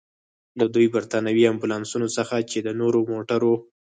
له دوو برتانوي امبولانسونو څخه، چې د نورو موټرو.